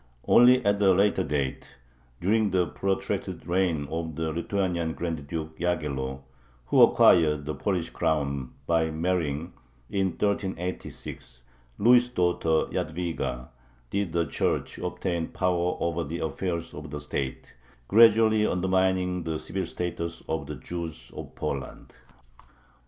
Only at a later date, during the protracted reign of the Lithuanian Grand Duke Yaghello, who acquired the Polish crown by marrying, in 1386, Louis' daughter Yadviga, did the Church obtain power over the affairs of the state, gradually undermining the civil status of the Jews of Poland.